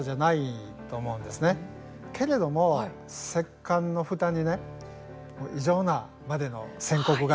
けれども、石棺のふたにね異常なまでの線刻がついて。